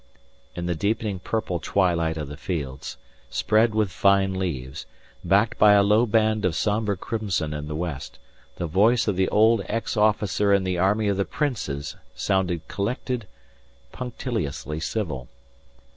In the deepening purple twilight of the fields, spread with vine leaves, backed by a low band of sombre crimson in the west, the voice of the old ex officer in the army of the princes sounded collected, punctiliously civil.